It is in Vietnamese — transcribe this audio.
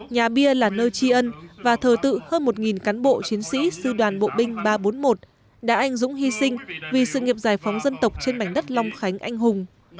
nhà bia là nơi tri ân và thờ tự hơn một cán bộ chiến sĩ sư đoàn bộ binh ba trăm bốn mươi một đã anh dũng hy sinh vì sự nghiệp giải phóng dân tộc trên mảnh đất long khánh anh hùng